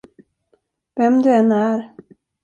Vem du än är.